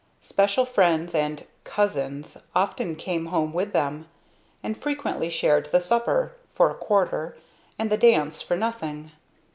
Special friends and "cousins" often came home with them, and frequently shared the supper for a quarter and the dance for nothing.